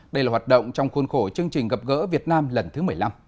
đây là hoạt động trong khuôn khổ chương trình gặp gỡ việt nam lần thứ một mươi năm